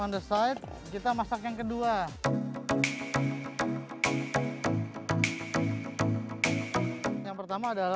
coconut water kaget ya kalau langsung kita masukkan ke dalam ini dia langsung pecah soalnya jadi di